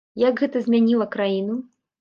Як гэта змяніла краіну?